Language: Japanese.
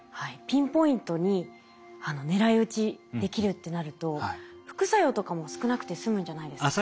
ピンポイントに狙い撃ちできるってなると副作用とかも少なくてすむんじゃないですかね。